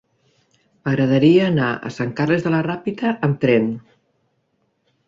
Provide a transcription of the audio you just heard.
M'agradaria anar a Sant Carles de la Ràpita amb tren.